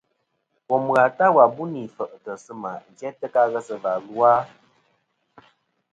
Bòm ghà ta wà bû nì fèʼtɨ̀ sɨ̂ mà jæ ta ka ghesɨ̀và lu a?